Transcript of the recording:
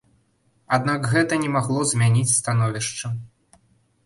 Аднак гэта не магло змяніць становішча.